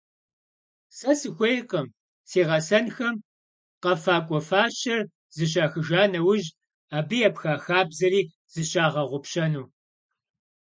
Se sıxuêykhım si ğesenxem khefak'ue faşer zışaxıjja neuj, abı yêpxa xabzeri zışağeğupşenu.